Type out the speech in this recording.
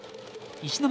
石巻！